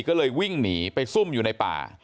ก็เลยวิ่งหนีไปซุ่มอยู่ในป่า